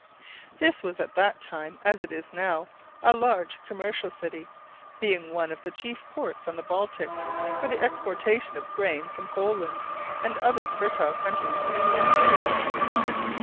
This was at that time, as it is now, a large commercial city, being one of the chief ports on the Baltic for the exportation of grain from Poland and other fertile countries in the interior.